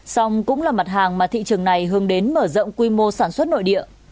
xong cũng là mặt hàng mà thị trường này hướng đến mở rộng quy mô sản xuất nội địa